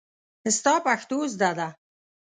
ستا پښتو زده ده.